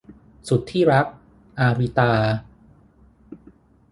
สุดที่รัก - อาริตา